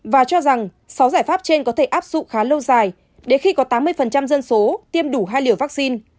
và cho rằng sáu giải pháp trên có thể áp dụng khá lâu dài đến khi có tám mươi dân số tiêm đủ hai liều vaccine